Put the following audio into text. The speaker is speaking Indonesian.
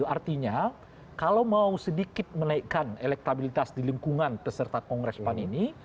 artinya kalau mau sedikit menaikkan elektabilitas di lingkungan peserta kongres pan ini